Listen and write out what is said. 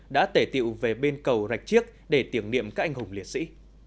đã tể tiệu về bên cầu rạch chiếc để tưởng niệm các anh hùng liệt sĩ